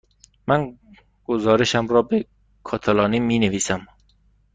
من گزارشم را به کاتالانی می نویسم.